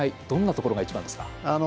どんなところが一番ですか？